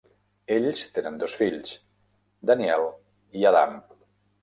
Ells tenen dos fills, Daniel i Adam.